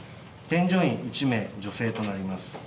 添乗員１名、女性となります。